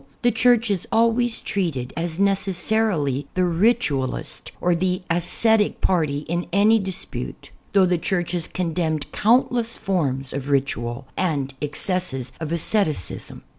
The Church is always treated as necessarily the ritualist or the ascetic party in any dispute ; thougli the Church has condemned countless forms of ritual and ex cesses of asceticism.